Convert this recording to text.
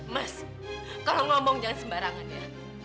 mas kalau ngomong jangan sembarangan ya